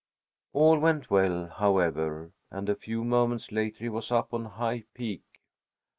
All went well, however, and a few moments later he was up on High Peak.